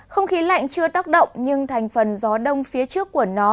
không khí lạnh chưa tác động nhưng thành phần gió đông phía trước của nó